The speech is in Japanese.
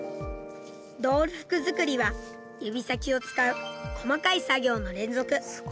ドール服作りは指先を使う細かい作業の連続。